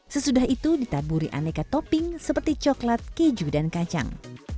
sesudah itu ditaburi aneka topping seperti coklat keju dan kacang